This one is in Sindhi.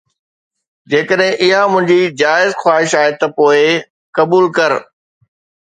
جيڪڏهن اها منهنجي جائز خواهش آهي ته پوءِ قبول ڪر